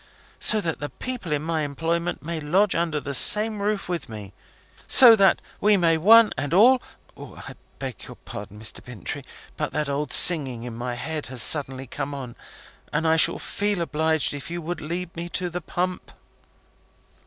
So that the people in my employment may lodge under the same roof with me! So that we may one and all I beg your pardon, Mr. Bintrey, but that old singing in my head has suddenly come on, and I shall feel obliged if you will lead me to the pump."